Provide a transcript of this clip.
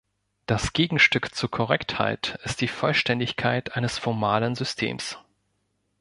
Das Gegenstück zur Korrektheit ist die Vollständigkeit eines formalen Systems.